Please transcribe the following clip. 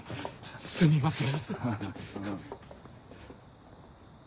すみません。